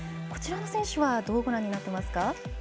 こちらの選手はどうご覧になってますか？